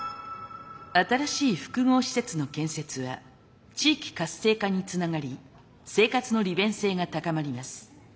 新しい複合施設の建設は地域活性化につながり生活の利便性が高まります。